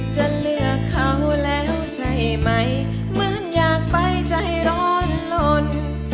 จะเลือกเขาแล้วใช่ไหมเหมือนอยากไปใจร้อนลน